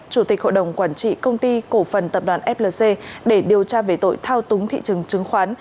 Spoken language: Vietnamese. chủ tịch hội đồng quản trị công ty cổ phần tập đoàn flc để điều tra về tội thao túng thị trường chứng khoán